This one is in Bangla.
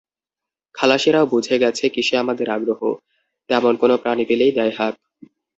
খালাসিরাও বুঝে গেছে, কিসে আমাদের আগ্রহ, তেমন কোনো প্রাণী পেলেই দেয় হাঁক।